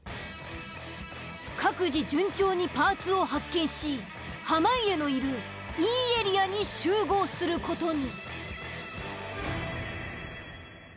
各自順調にパーツを発見し濱家のいるＥエリアに集合する事に。